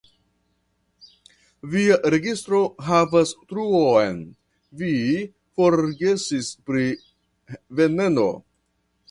Via registro havas truon: vi forgesis pri veneno.